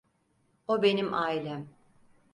O benim ailem.